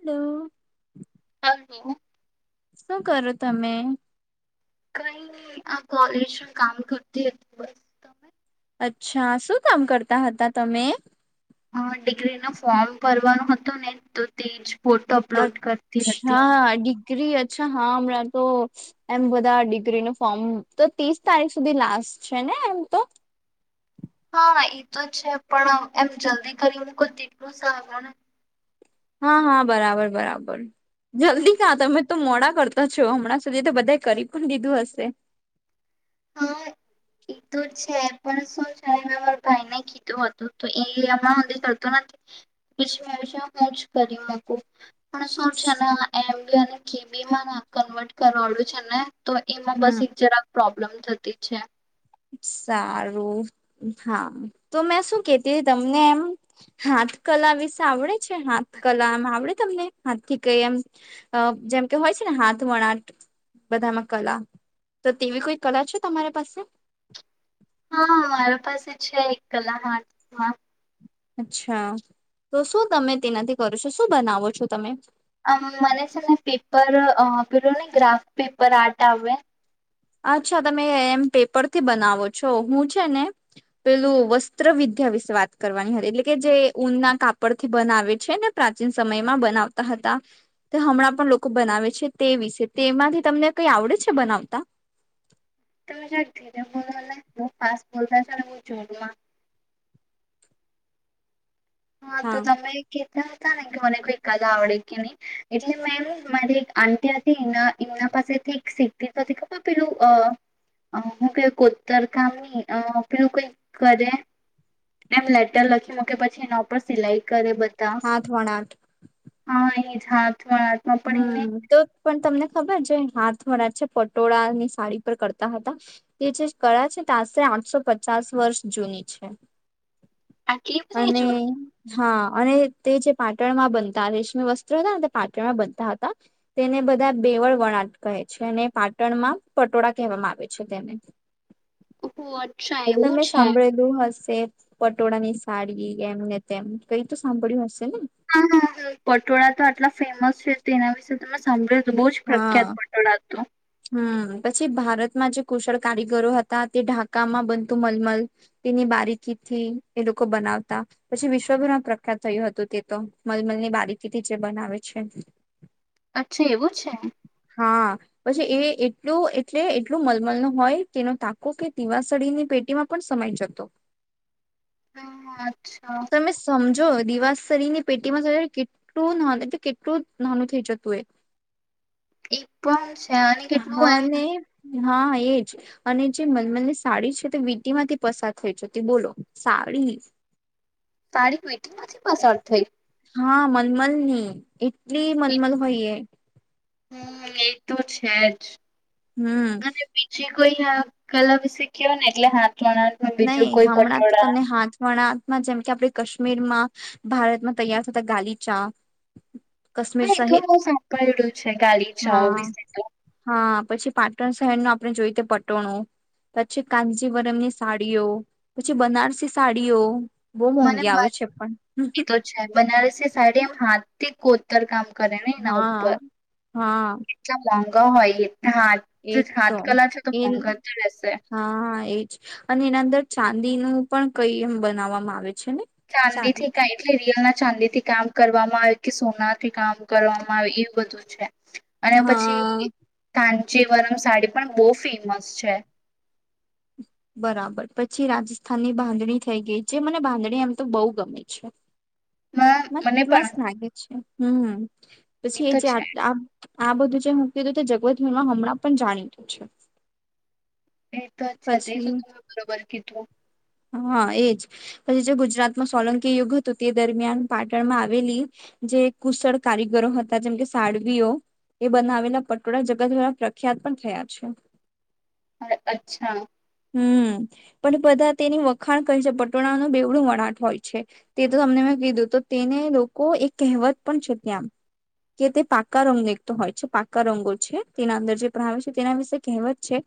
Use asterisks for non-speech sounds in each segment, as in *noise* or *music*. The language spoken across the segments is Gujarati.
હલોો હ હ શું કરો તમે કઈ આ કોલેજમાં કામ કરતી હતી બસ તમે અચ્છા શું કામ કરતા હતા તમે અ ડિગ્રી ન ફોર્મ ભરવાનો હતો ને તો તે જ ફોટો અપલોડ કરતી હતી. અચ્છા ડિગ્રી અચ્છા હા હમણાં તો એમ બધા ડિગ્રી ન ફોર્મ તો ત્રીસ તારીખ સુધી લાસ્ટ છે ને હ એમ તો હા એ તો છે પણ એમ જલ્દી કરી હું કોઈ તેટલું સારું ને હા હા બરાબર બરાબર ને જલ્દી ખા તમે તો મોડા કરતા છો હમણાં સુધી તો બધા કરી પણ દીધું હશે હા એ તોું છે પણ શું છે ભાઈ ને કીધું હતું તો એ હમણાં સુે કરતો નથી *unintelligible* પછી મે છે હું જ કરી મકું પણ શું છેને એમ બી અને કે બી ના કન્વર્ટ કરવાળું છે ને તો એમાં બસ હમ એક જરાક પ્રોબ્લેમ થતી છે સારું હા તો મેં શું કેતી તમને એમ હા હા કલા વિશે આવડે છે હાથ કલામ આવડે તમને હાથ થી કઈ એમ જેમ કેય છેને હાથ વણાટ બધામાં કલા તો તેવી કોઈ કલા છે તમારી પાસે? હા પાસે છે એક કલાક *unintelligible* અચ્છા તો શું તમે તેનાથી કરો છો શું બનાવો છો તમે? અમ મને છે ને પેપર અ પેલુ નઈ ગ્રાફ પેપર આર્ટ આવે અચ્છા તમે એમ પેપરથી બનાવો છો હું છે ને પેલું વસ્ત્રવિદ્યા વિશે વાત કરવાની હતી એટલે કે જે ઊનના કાપડ થી બનાવે છે ને પ્રાચીન સમયમાં બનાવતા હતા તે હમણાં પણ લોકો બનાવે છે તે વિશે તેમાંથી તમને કઈ આવડે છે બનાવતા? તમે જરા ધીરે બોલોને બઉ ફાસ બોલતાતા ને બઉ જોરમાં. હા તો તમે કે કહેતા હતાને કે મને કોઈ કલા આવડે કે નહી એટલે મેમ મારી એક આંટી હતી ઈમ્ન ઈમ્ન પાસેથી એક સીખતી ખબર પેલું અ અ હું કેઉં કોતર કામ નઈ પેલું કઈક કરે એમ લેટર લખી મૂકે પછી એના ઉપર સિલાઈ કરે બ હાથ વણાટ. હા એજ હા હમ્મ તો પણ તમને ખબર જે હાથ *unintelligible* છે પટોળા ની સાડી પર કરતા હતા તે જે કળા છે આશરે આઠસો પચાસ વર્ષ જૂની છે આટલી બધી અને જૂની હા અને તે જે પાટણ માં બનતા રેશમી વસ્ત્ર રયાને પાટણ ઘણાં બધા હતા તેને બધા બેવળ વણાટ કહે છે અને પાટણમાં પટોળા કહેવામાં આવે છે તેને. *unintelligible* તમે છે સાંભળેલું હશે. પટોળા ની સાડી એમ ને તેમ કઈ તો સાંભળ્યું હશે ને. હા હ-હ પટોળા તો આટલા ફેમસ છે તેના વિશે તમે સાંભળ્યું. બહુ જ હા પ્રખ્યાત પટોળા તો. હમ પછી ભારતમાં જે કુશળ કારીગરો હતા તે ઢાકામાં બનતું મલમલ તેની બારીકી થી એ લોકો બનાવતા પછી વિશ્વભરમાં પ્રખ્યાત થયું હતું તે તો મલમલ ની બારી થી જે બનાવે છે. અચ્છા એવું. છે હા. પછી એ એટલું એટલે એટલું મલમલનુ હોય કેનો તાકો કે દીવાસળીની પેટીમાં પણ સમા ઈ જતો. હા અચ્છા. દીવાસળી પેટીમાં જાણે કેટલું નોંધ કે-કેટલું નોનું થઇ જતું એ. એક પણ છે અને કેટલું હા એમ અને હા એજ અને જે મલમલનિ સાડી છે તે વીટી માંથી પસાર થઈ જતી બોલો સા *unintelligible* સાડી વિટી માંથી પસાર થઈ હા મલમલની એટલી એ મલમલ હોયએ હમ એ તો છે જ. હમ્મ. અને બીજી કોઈ હસ્તકલા વિશે ક્યો ને એટલે હા નહી હમણાં તો તમને હાથ વણાટમા જેમ કે આપડે કશ મીરમા ભારતમાં તૈયાર થતા ગાલીચા. કાશ્મીર હા એ તો સહિત બઉ સાંભળ્યું છે ગાલીચાઓ હા વિશે તો હા પછી પાટણ શહેરના આપડણે જોઈએ કે પટોણું પછી કાનજીવરમની સાડીઓ પછી બનારસી સાડીઓ બહુ મને મોંઘી આવે છે પણ *inaudible* તો છે બનારસ સાડી એમ હાથ થી કોતર કામ કરે નને એના હા ઉપર હા એટલા મોંઘા હોય. એ એજ હાથ તો હાથકલા છે તો એ મોંઘા જ રહેશે હા એજ અને એના અંદર ચાંદી નું પણ કઈ એમ બનાવવામાં આવે છે ચાંદી થીકાય એટલે રિયલ ચાંદી થી કામ કરવામાં આવે કે સોના થી કામ કરવામાં આવે એ બધું છે અને પછી હા કા જીવનમ સાડી પણ બહુ ફેમસ છે બરાબર પછી રાજસ્થાનની બાંધણી થઈ ગઈ છે મને બાંધણી એમ તો બહુ ગમે છે મને પણ મસ્ત લાગે છે હમ પછી એ તો જે છે આ બધું જે હું કીધું તે જગત વર્મા હમણાં પણ જાણીતું છે એ તો અચ્છા એ ત પછી બરોબર કે તું હા એજ પછી જે ગુજરાતમાં સોલંકી યુગ હતું તે દરમિયાન પાટણમાં આવેલી જે કુશળ કારીગરો હતા જેમ કે સાડવીઓ એ બનાવેલા પટોળા જગત દ્વારા પ્રખ્યાત પણ થયા છે હ અચ્છા હમ પણ બધા તેની વખાણ કઈ છે પટોળાનું બેવડું વણાટ હોય છે તે તો તમને મેં કીધું તો તેને લોકો એક કહેવત પણ છે ત્યાં કે તે પાકા રંગ દખતો હોય છે પાકા રંગો છે તેના અંદર જે પાવે છે તેના વિશે કહેવત છે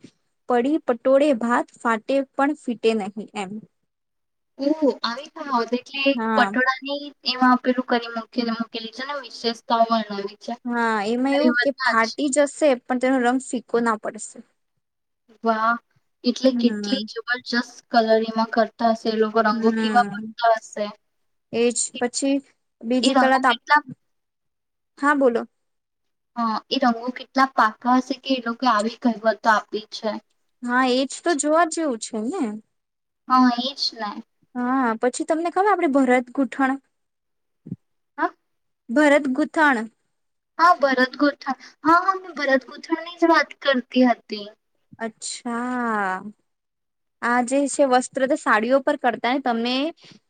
પડી પટોળે ભાત ફાટે પણ ફીટે નહીં એમ ઓ આવી પણ આવત એટલે હા પટોળા ની એમાં આપેલું કરી મૂ મૂકેલી છે ને વિશેષતાઓ વર્ણાવવી હા એમાં એવું કે ફાટી જશે પણ તેનો રંગ ફીકો ના પડશે વાહ એટલે કેટલી હમ જબરજસ્ત કલર એમાં કર રગ રંગો કેવા હમ પડતા હશે એજ પછી એ બીજી રંગો કલા તો આપ કેટલા હા બોલો હા એ રંગો કેટલા પાકા હશે કે એ લોકો આવી કહીવતો આપી છે હા એજ તો જોવા જેવું છે ને હા એ જ લ હા પછી તમને ખબર આપડે ભરત ગૂઠણ હા ભરત ગૂથાણ હા ભરત ગોથણ હા હા મેં ભરત ગોથણ ની જ વાત કરતી હતી અચ્છા આ જે છે વસ્ત્ર તો સાડીઓ પર કરતા ને તમે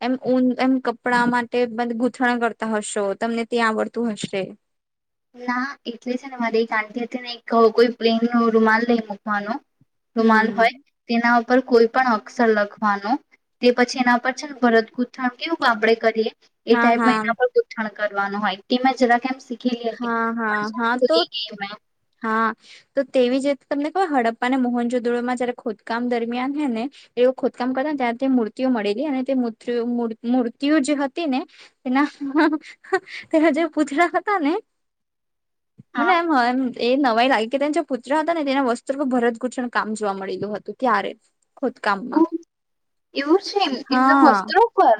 એમ ઊંન એમ કપડા માટે તે બ ગૂંથણ કરતા હશો તમને ત્યાં આવડતું હશે ના એટલે છે ને મારી એક આંટીી હતી ને એક કોઈ પ્લેન ન રૂમાલ લઈ મૂકવાનો રૂમાંલ હમ હોય તેના પર કોઈ પણ અક્ષર લખવાનો તે પછી એના પર છે ભરતગુથણ કેવું આપડે કરીએ એ હા ટાઈપમાં હા એના પર ગઠણ કરવાનું હોય ટીમે જરા કે હા હા હા તો મેં હા તો તેવી જ રીતે તમને કવા હડપ્પા અને મોહનજુદુળોમાં જયારે ખોદકામ દરમિયાન હે ને ખોદકામ કરતા ને ત્યારે તે મૂર્તિઓ મળેલી અને તે મ મૂર્તિઓ જે હતી ને તેના તેના જે પૂતળા હતા ને મને હા. એમ હોય એમ એ નવાય લાગે કે તે જે પૂતળા હતા ને તેના વસ્ત્ર ભરત ઘૂંચણ કામ જોવા મળેલું હતું ત્યારે ખુદકામમાં એવું છે એમ એમના હા વસ્ત્રો પર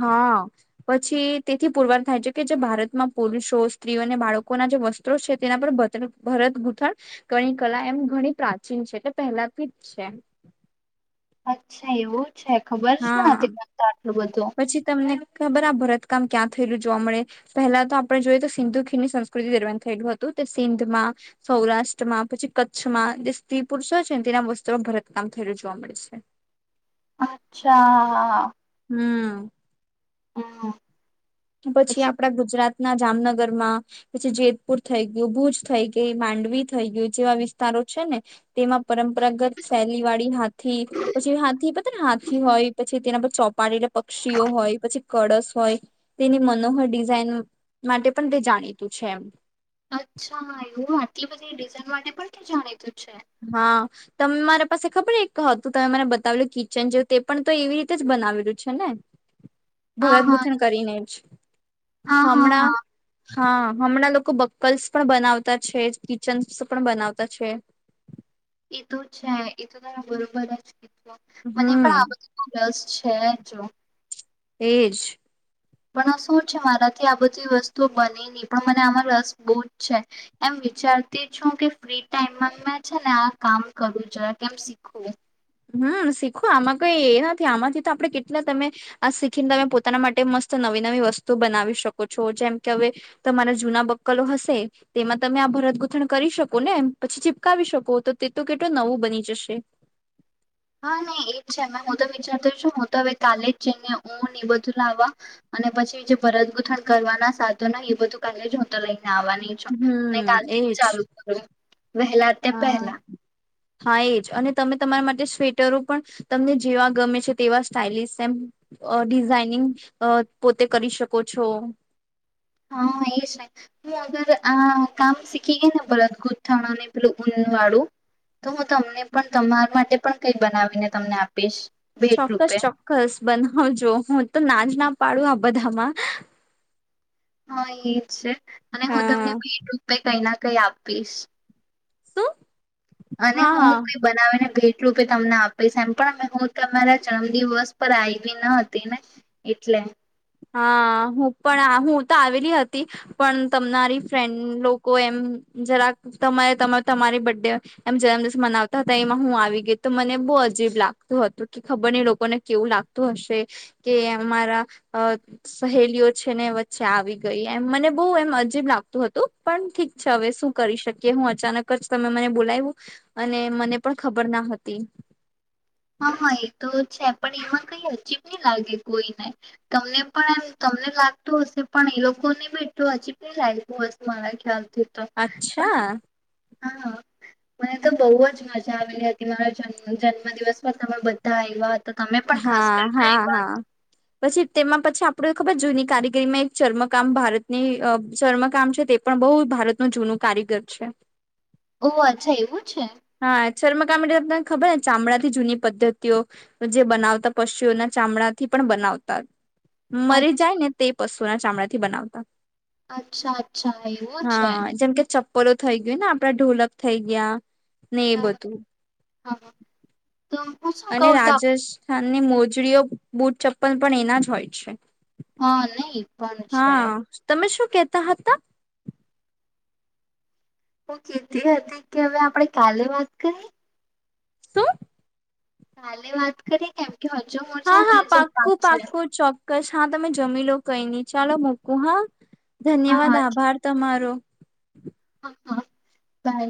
હા પછી તેથી પુરવાર થાય છે કે જે ભારતમાં પુરુષો સ્ત્રીઓ અને બાળકોના જે વસ્ત્રો છે એના પર બચક ભરત ગૂથણ કણી કલા એમ ઘણી પ્રાચીન છે એટલે પહેલાથી જ છે. *inaudible* અચ્છા એવું છે ખબર છે હા તે તો આટલું બધું? પછી તમને ખબર આ ભરત કામ ક્યાં થયેલું જોવા મળે પહેલા તો આપણે જોઈએ તો સિંધુ ખીરની સંસ્કૃતિ દરમિયાન થયેલું હતું સિંધમાં, સૌરાષ્ટ્રમાં પછી કચ્છમાં જે સ્ત્રી પુરુષો છે ને તેના વસ્ત્રુમાં ભરતકામ વધરે જોવા મળે છે. અચ્છા હમ્મ. હમ્મ. પછી આપણા ગુજરાત ના જામનગર માં પછી જેતપુર થઈ ગયું ભુજ થઈ ગઈ માંડવી થઈ ગયું જેવા વિસ્તારો છે ને તેમાં પરંપરાગત શેલી વાળી હાથી પછી હાથી પછી ને હાથી હોય પછી તેના પર ચોપાડેલા પક્ષીઓ હોય પછી કળશ હોય. તેની મનોહર ડિઝાઇન માટે પણ તે જાણીતું છે એમ. અચ્છા એવું આટલી બધી ડિઝાઇન માટે પણ તે જાણીતું. છે હા તમે મારે પાસે ખબર એક હતું તમે મને બતાવેલ કિચન જેવું તે પણ તો એવી રીતે જ બનાવેલું છે ને? હા ભરત હા ગુંથણ કરીને જ. હા હા હમણાં હા. હા હમણાં લોકો બક્કલ્સ પણ બનાવતા છે કિચન્સ પણ બનાવતા છે. એ તો છે એ તો તાર બરોબર જ કીધું મને હમ પણ આ બધુંમાં રસ છે જો. એ જ. પણ શું છે મારાથી આ બધી વસ્તુઓ બનેલી પણ મને આમાં રસ બહુ જ છે એમ વિચારતી છું કે ફ્રી ટાઈમમાં મે છે ને આ કામ કરું જરા કેમ શીખવું? હમ શીખો આમાં કઈ એ નથી આમાંથી તો આપણે કેટલા તમે આ શીખીને તમે પોતાના માટે મસ્ત નવી નવી વસ્તુ બનાવી શકો છો જેમ કે હવે તમારા જૂના બક્કલો હશે તેમાં તમે આ ભરત ગૂથણ કરી શકો ને પછી ચીપકાવી શકો તો તે તો કેટલું નવું બની જશે. હા નહી એજ છે મે હું તો વિચારતો છું હું તો હવે કાલે જ જઈને ઉનને બધું લાવવા અને પછી જે ભરતગૂથણ કરવાના સાધો ના એ બધું કાલે જ હોતો લઈ. આવવાની છું હમ કાલથી એજ જ ચાલુ કરું વહેલા તે હા પહેલા. હા એજ અને તમે તમારા માટે સ્વેટરો પણ તમને જેવા ગમે છે તેવા સ્ટાાઈલિસ એમ ડિઝાઇનિંગ પોતે કરી શકો છો. હા એજ નહી હું અગર આ કામ શીખી ગઇને ભરત ગૂથણ ને પેલું વાળું તો હું તમને પણ તમારા માટે પણ કઈ બનાવીને તમને આપીશ. ભેટ ચોક્કસ રૂપે ચોક્કસ બનાવજો હું તો નાજ ના પાડું આ બધાંમાં. બધામાં હા એજ છે અને હું તમને હા. ભેટ રૂપે કઈ ના કઈ આપીશ. શું? અને હા હું હા કઈ બનાવીને ભેટ રૂપે તમને આપીશ એમ પણ હું તમારા જન્મ દિવસ પર આવી ન હતી ને એટલે. હા હું પણ હું તો આવેલી હતી પણ તમારી ફ્રેન્ડ લોકો એમ જરાક તમારે તમારી બર્થડે એમ જન્મદિવસ મનાવતા હતા એમાં હું આવી ગઈ તો મને બહુ અજીબ લાગતું હતું કે ખબર નઈ લોકોને કેવું લાગતું હશે કે અમારા અ સહેલીઓ છે ને વચ્ચે આવી ગઈ એમ મને બહુ એમ અજીબ લાગતું હતું પણ ઠીક હવે શું કરી શકીએ હું અચાનક જ તમે મને બોલાવું અને મને પણ ખબર ના હતી. *inaudible* હા હા એ તો છે પણ એમાં કઈ અજીબ નહી લાગે કોઈને તમને પણ એમ તમને લાગતું હશે પણ એ લોકો ને બી એટલું હજીબ લાગતું હશે મારા ખ્યાલ તો પણ અચ્છા હા. મને તો બહુ જ મજા આવેલી હતી મારા જન્મ દિવસમાં તમે બધા આવ્યા હતા તમે પણ ખાસ હા કરીને હા આવ્યા હા પછી તેમાં પછી આપ ખબર જૂની કારીગીરીમાં એક ચર્મકામ ભારતની ચર્મકામ છે તે પણ બહુ ભારતનું જૂનું કારીગર છે ઓહ અચ્છા એવું છે હા શર્મકામ તને ખબર ને ચામડા થી જૂની પદ્ધતિઓ જે બનાવતા પશુઓના ચામડા થી પણ બવતા મરી અચ્છ- જાય ને તે પશુના ચામડાથી બનાવતા અચ્છા અચ્છા એવું હા છે જેમ કે ચપ્પલો થઈ ગયને આપડા ઢોલક થઈ ગયા ને એ હા બધું હા તો હું શું અને કહું તો રાજસ્થાનની મોજડી ઓ બુટ ચપ્પલ પણ એના જ હોય છે હા નહી પણ છે હા તમે શું કેતા હતા હું કીધી હતી કે હવે આપણે કાલે વાત કરી શું કાલે વાત કરી કેમ કે હજુ મું છે હા ને હા જવાનું પાક્કું છે પાક્કું ચોક્કસ હા તમે જમી લો કઈ નહી ચાલો મોકું હા હા ધન્યવાદ હા આભાર તમારો હા હા બાય